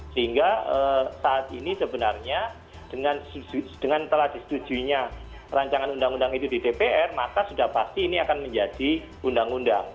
sehingga saat ini sebenarnya dengan telah disetujuinya rancangan undang undang itu di dpr maka sudah pasti ini akan menjadi undang undang